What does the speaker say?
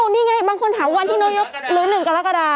นี่ไงบางคนถามวันที่นายกหรือ๑กรกฎา